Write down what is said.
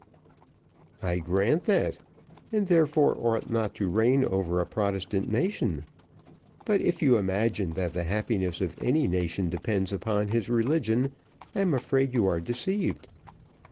"I grant that, and therefore ought not to reign over a Protestant nation; but if you imagine that the happiness of any nation depends upon his religion, I am afraid you are deceived.